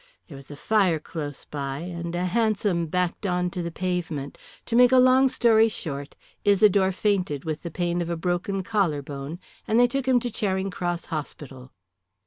There was a fire close by, and a hansom backed on to the pavement. To make a long story short, Isidore fainted with the pain of a broken collarbone, and they took him to Charing Cross Hospital."